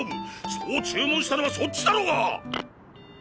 そう注文したのはそっちだろうが！！